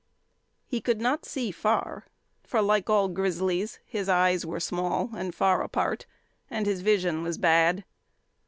He could not see far, for, like all grizzlies, his eyes were small and far apart, and his vision was bad.